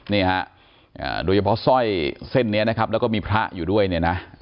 นี่ฮะโดยเฉพาะสร้อยเส้นนี้นะครับแล้วก็มีพระอยู่ด้วยเนี่ยนะ